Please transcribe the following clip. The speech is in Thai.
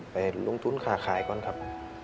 ไปลงทุนค่าขายก่อนครับ